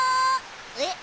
えっ？